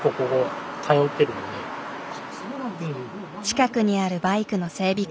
近くにあるバイクの整備